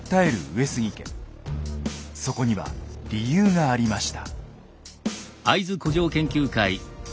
そこには理由がありました。